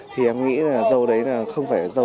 thì em nghĩ là dâu đấy là không phải dầu